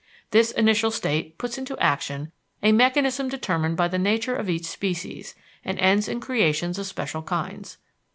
This initial state puts into action a mechanism determined by the nature of each species, and ends in creations of special kinds.